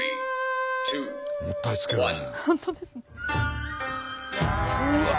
もったいつけるね。